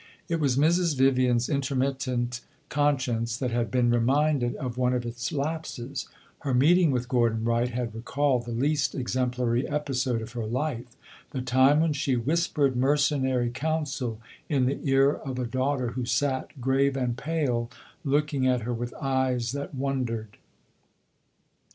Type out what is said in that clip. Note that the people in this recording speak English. It was Mrs. Vivian's intermittent conscience that had been reminded of one of its lapses; her meeting with Gordon Wright had recalled the least exemplary episode of her life the time when she whispered mercenary counsel in the ear of a daughter who sat, grave and pale, looking at her with eyes that wondered.